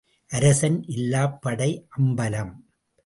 அரசன் இல்லாப் படை அம்பலம்.